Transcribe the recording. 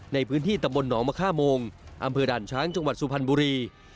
ในพื้นที่ตำบลหนองมะค่าโมงอำเภอด่านช้างจังหวัดสุพรรณบุรี